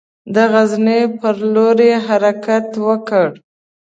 د غزني پر لور یې حرکت وکړ.